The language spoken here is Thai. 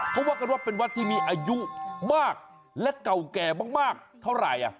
เขาว่ากันว่าเป็นวัดที่มีอายุมากและเก่าแก่มากเท่าไหร่